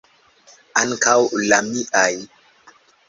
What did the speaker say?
Ankaŭ la miaj!